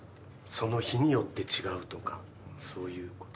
その日によって違うとかそういうこと。